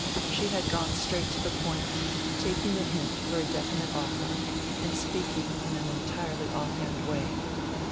She had gone straight to the point, taking the hint for a definite offer, and speaking in an entirely off hand way.